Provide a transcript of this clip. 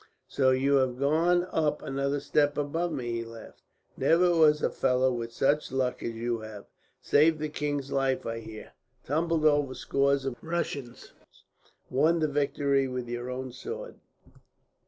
"So you have gone up another step above me," he laughed. "Never was a fellow with such luck as you have. Saved the king's life, I hear. Tumbled over scores of Russians. Won the victory with your own sword."